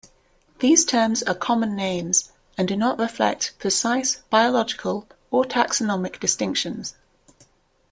These terms are common names and do not reflect precise biological or taxonomic distinctions.